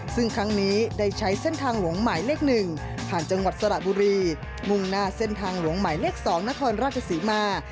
ซึ่งครั้งนี้ได้ใช้เส้นทางหลวงหมายเลข๑ผ่านจังหวัดสระบุรีมุ่งหน้าเส้นทางหลวงหมายเลข๒นครราชศรีมา